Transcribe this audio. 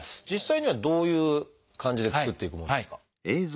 実際にはどういう感じで作っていくものなんですか？